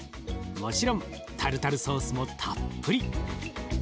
もちろんタルタルソースもたっぷり。